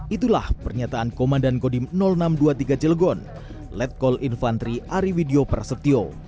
itulah pernyataan komandan kodim enam ratus dua puluh tiga cilegon letkol infantri ariwidyo prasetyo